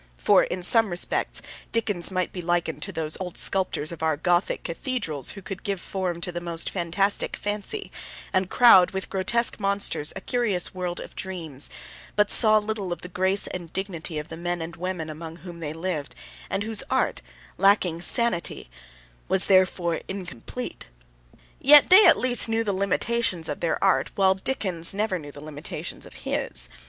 For, in some respects, Dickens might be likened to those old sculptors of our Gothic cathedrals who could give form to the most fantastic fancy, and crowd with grotesque monsters a curious world of dreams, but saw little of the grace and dignity of the men and women among whom they lived, and whose art, lacking sanity, was therefore incomplete. Yet they at least knew the limitations of their art, while Dickens never knew the limitations of his.